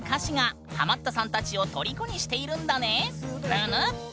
ぬぬっ！